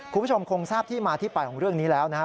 คุณผู้ชมคงทราบที่มาที่ไปของเรื่องนี้แล้วนะครับ